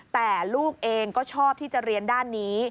แต่ลูกเองก็ชอบที่จะเรียนด้านนี้